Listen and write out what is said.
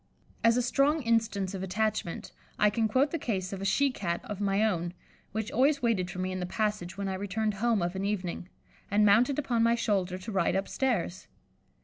As a strong instance of attachment, I can quote the case of a she Cat of my own, which always waited for me in the passage when I returned home of an evening, and mounted upon my shoulder to ride upstairs.